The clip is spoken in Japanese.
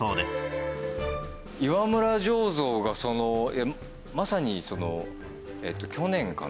岩村醸造がまさに。